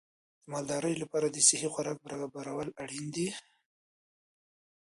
د مالدارۍ لپاره د صحي خوراک برابرول ډېر اړین دي.